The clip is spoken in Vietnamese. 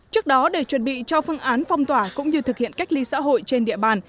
trước đó để chuẩn bị cho phương án phong tỏa cũng như thực hiện cách ly xã hội trên địa bàn